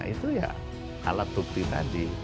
itu ya alat bukti tadi